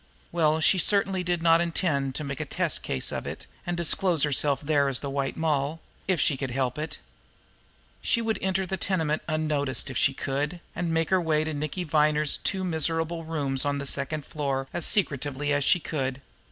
Well, she certainly did not intend to make a test case of it and disclose herself there as the White Moll, if she could help it! She would enter the tenement unnoticed if she could, and make her way to Nicky Viner's two miserable rooms on the second floor as secretively as she could.